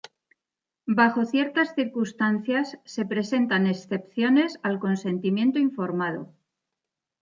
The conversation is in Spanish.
Bajo ciertas circunstancias, se presentan excepciones al consentimiento informado.